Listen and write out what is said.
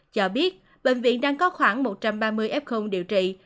cho biết bệnh viện đang có khoảng một trăm ba mươi f điều trị